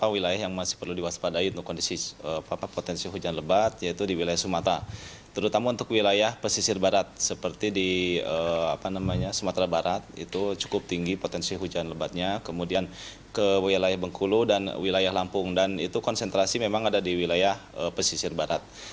wilayah lampung dan itu konsentrasi memang ada di wilayah pesisir barat